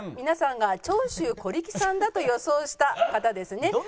皆さんが長州小力さんだと予想した方ですね。